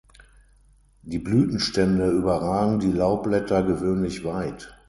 Die Blütenstände überragen die Laubblätter gewöhnlich weit.